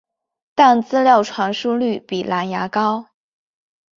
但资料传输率比蓝牙高。